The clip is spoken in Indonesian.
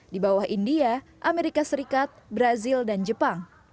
di bawah india amerika serikat brazil dan jepang